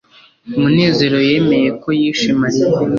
munezero yemeye ko yishe mariya